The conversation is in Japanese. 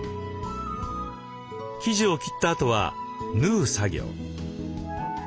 生地を切ったあとは縫う作業。